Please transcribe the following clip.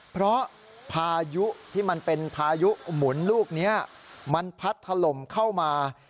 เพราะพายุที่มันเป็นพายุหมุนลูกนี้มันพัดถล่มเข้ามา